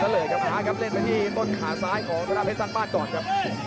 แล้วเลยครับหาครับเล่นหน้าที่บนขาซ้ายของศรัพย์สร้างบ้านก่อนครับ